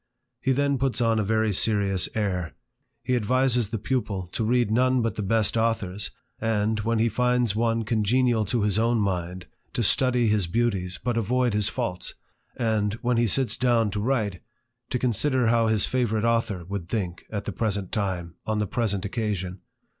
He then puts on a very serious air; he advises the pupil to read none but the best authors, and, when he finds one congenial to his own mind, to study his beauties, but avoid his faults ; and, when he sits down to write, to consider how his favourite author would think at the present time on the present occasion.